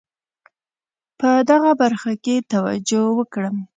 په دغه برخه کې توجه وکړم.